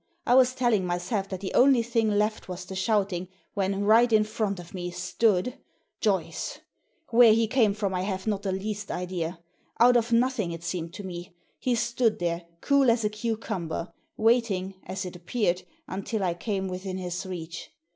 I was telling myself that the only thing left was the shout ing, when, right in front of me, stood — Joyce ! Where he came from I have not the least idea. Out of nothing, it seemed to me. He stood there, cool as a cucumber, waiting — as it appeared — until I came within his reach.